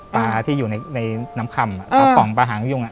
ปลาที่อยู่ในน้ำค่ำปลาป่องปลาหางยุ่ง